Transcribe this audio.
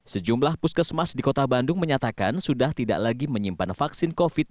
sejumlah puskesmas di kota bandung menyatakan sudah tidak lagi menyimpan vaksin covid sembilan belas